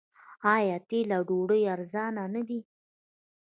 آیا تیل او ډوډۍ ارزانه نه دي؟